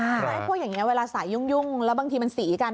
ใช่เพราะว่าอย่างเงี้ยเวลาสายยุ่งแล้วบางทีมันสีอีกงั้น